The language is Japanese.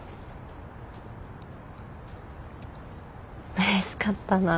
うれしかったなぁ。